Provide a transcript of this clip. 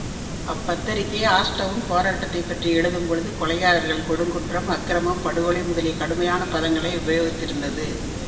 அப்பத்திரிகை ஆஷ்டவுன் போராட்டத்தைப் பற்றி எழுதும் பொழுது, கொலைகாரர்கள், கொடுங்குற்றம், அக்கிரமம், படுகொலை முதலிய கடுமையான பதங்களை உபயோகத்திருந்தது.